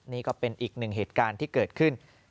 นี่ก็เป็นอีกหนึ่งเหตุการณ์ที่เกิดขึ้น